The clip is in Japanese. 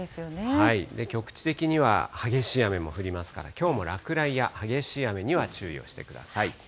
局地的には激しい雨も降りますから、きょうも落雷や激しい雨には注意をしてください。